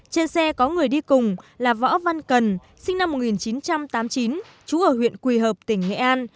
trên xe có người đi cùng là võ văn cần sinh năm một nghìn chín trăm tám mươi chín trú ở huyện quỳ hợp tỉnh nghệ an